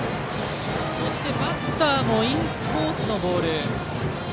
そして、バッターもインコースのボール。